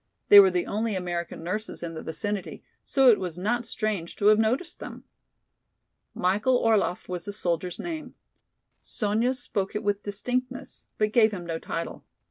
They were the only American nurses in the vicinity, so it was not strange to have noticed them. Michael Orlaff was the soldier's name. Sonya spoke it with distinctness, but gave him no title.